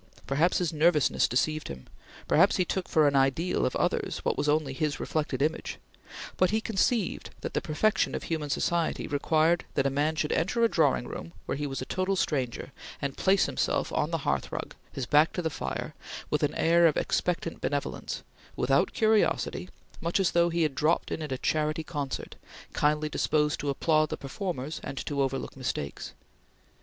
Perhaps his nervousness deceived him; perhaps he took for an ideal of others what was only his reflected image; but he conceived that the perfection of human society required that a man should enter a drawing room where he was a total stranger, and place himself on the hearth rug, his back to the fire, with an air of expectant benevolence, without curiosity, much as though he had dropped in at a charity concert, kindly disposed to applaud the performers and to overlook mistakes.